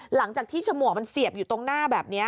หลังจากที่ฉมวกมันเสียบอยู่ตรงหน้าแบบนี้